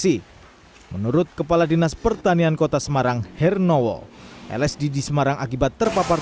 menurut kepala dinas pertanian kota semarang hernowo lsd di semarang akibat terpapar